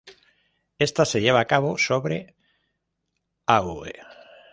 Esta se lleva a cabo sobre "Av.